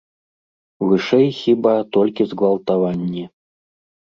Вышэй, хіба, толькі згвалтаванні.